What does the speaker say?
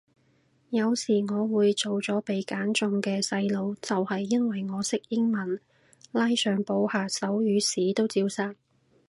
有時我會做咗被揀中嘅細路就係因為我識英文，拉上補下手語屎都照殺